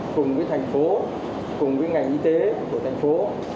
cùng với thành phố cùng với ngành y tế của thành phố